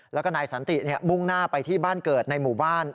แล้วก็นายสันติมุ่งหน้าไปที่บ้านเกิดในหมู่บ้าน